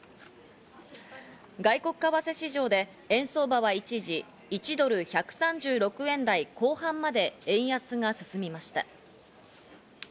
外国為替市場で円相場は一時、１ドル＝１３６円台後半まで円安が進みました。